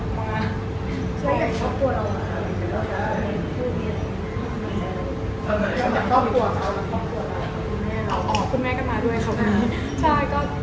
คุณแม่ข้ามาด้วยครับ